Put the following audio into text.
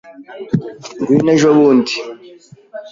Ngwino ejobundi.